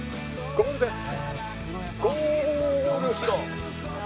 ゴールです。